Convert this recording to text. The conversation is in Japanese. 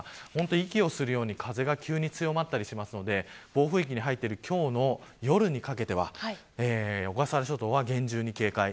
息をするように風が急に強まったりしますので暴風域に入っている今日の夜にかけては小笠原諸島は厳重に警戒。